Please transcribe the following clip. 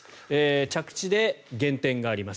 着地で減点があります。